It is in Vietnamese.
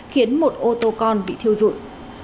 khiến một ô tô con bị thiêu rụi